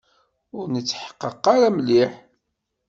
Ur netḥeqqeq ara mliḥ.